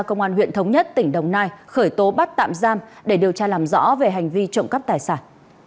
công an huyện thống nhất tỉnh đồng nai khởi tố bắt tạm giam để điều tra làm rõ về hành vi trộm cắp tài sản